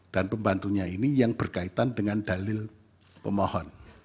dan pembantunya ini yang berkaitan dengan dalil pemohon